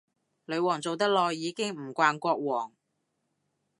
女皇做得耐，已經唔慣國王